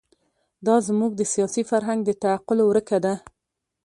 دا زموږ د سیاسي فرهنګ د تعقل ورکه ده.